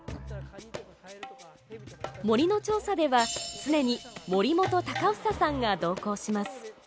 森の調査では常に森本孝房さんが同行します。